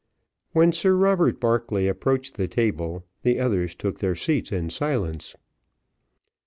When Sir Robert Barclay approached the table, the others took their seats in silence.